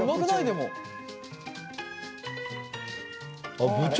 あっ部長